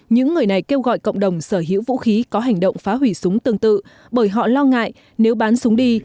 những người này kêu gọi cộng đồng sở hữu vũ khí có hành động phá hủy súng tương tự bởi họ lo ngại nếu bán súng đi